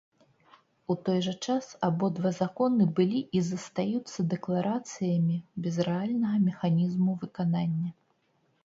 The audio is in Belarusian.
У той жа час абодва законы былі і застаюцца дэкларацыямі без рэальнага механізму выканання.